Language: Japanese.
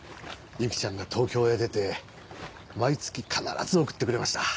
ゆきちゃんが東京へ出て毎月必ず送ってくれました。